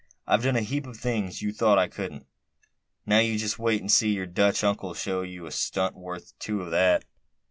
"I've done a heap of things you thought I couldn't. Now, you just wait and see your Dutch uncle show you a stunt worth two of that."